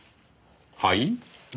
はい？